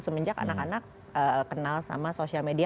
semenjak anak anak kenal sama social media